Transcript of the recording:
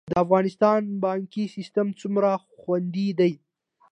د افغانستان بانکي سیستم څومره خوندي دی؟